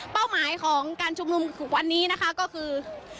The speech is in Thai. หมายของการชุมนุมวันนี้นะคะก็คือ